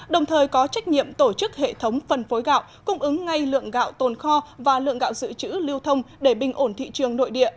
đồng thời có trách nhiệm tổ chức hệ thống phân phối gạo cung ứng ngay lượng gạo tồn kho và lượng gạo dự trữ lưu thông để bình ổn thị trường nội địa